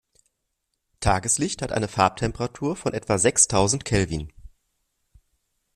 Tageslicht hat eine Farbtemperatur von etwa sechstausend Kelvin.